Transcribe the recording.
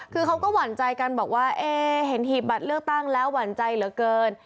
คือเขาก็หวั่นใจกันบอกว่าเอ๊เห็นหีบบัตรเลือกตั้งแล้วหวั่นใจเหลือเกิน